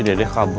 dede siapa itu